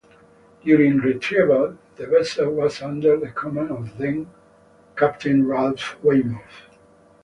During retrieval, the vessel was under the command of then-Captain Ralph Weymouth.